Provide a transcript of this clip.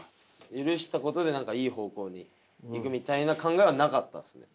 許したことで何かいい方向にいくみたいな考えはなかったですね。